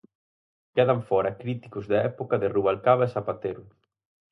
Quedan fóra críticos da época de Rubalcaba e Zapatero.